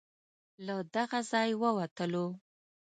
له دغه ځای ووتلو.